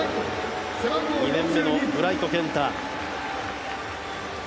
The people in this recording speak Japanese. ２年目のブライト健太。